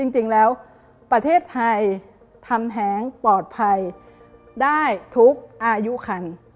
จริงแล้วประเทศไทยทำแท้งปลอดภัยได้ทุกอายุคัน